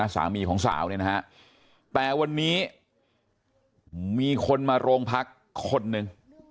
สามีของสาวเนี่ยนะฮะแต่วันนี้มีคนมาโรงพักคนหนึ่ง